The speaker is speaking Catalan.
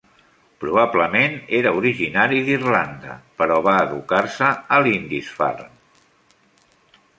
Probablement era originari d'Irlanda, però va educar-se a Lindisfarne.